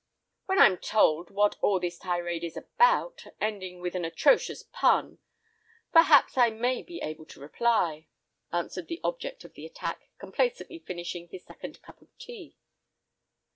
"When I'm told what all this tirade is about, ending with an atrocious pun, perhaps I may be able to reply," answered the object of the attack, complacently finishing his second cup of tea.